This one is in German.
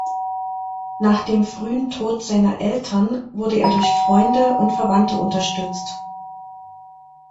Nach dem frühen Tod seiner Eltern wurde er durch Freunde und Verwandte unterstützt.